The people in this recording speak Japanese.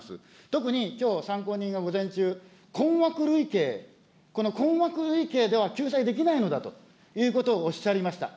特にきょう参考人が午前中、困惑類型、この困惑類型では救済できないのだということをおっしゃりました。